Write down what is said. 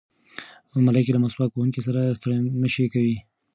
ملایکې له مسواک وهونکي سره ستړې مه شي کوي.